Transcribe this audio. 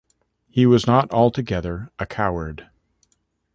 He was not altogether a coward.